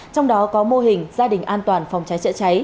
trong đó có mô hình gia đình an toàn phòng trái chữa trái